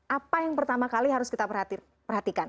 apa yang pertama kali harus kita perhatikan